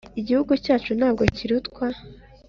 Igihugu cyacu ntabwo kirutwa